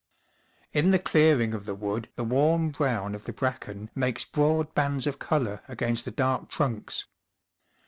In the clearing of the wood the warm brown of the bracken makes broad bands of colour against the dark trunks.